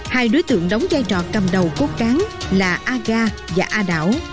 hai đối tượng đóng giai trò cầm đầu quốc cán là aga và a đảo